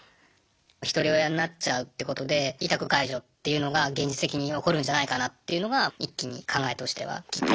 ひとり親になっちゃうってことで委託解除っていうのが現実的に起こるんじゃないかなっていうのが一気に考えとしては来て。